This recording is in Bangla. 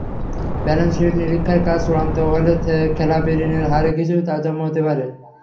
ব্যালেন্স-শিট নিরীক্ষার কাজ চূড়ান্ত হলে খেলাপি ঋণের হারে কিছু তারতম্য হতে পারে।